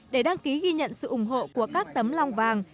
để đăng ký ghi nhận sự ủng hộ của các tấm lòng vàng